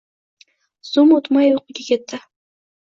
Zum o‘tmay uyquga ketdi.